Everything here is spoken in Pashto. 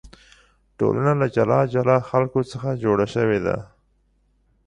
ټولنه له جلا جلا خلکو څخه جوړه شوې ده.